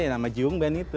ya nama jiung ben itu